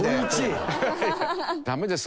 ダメです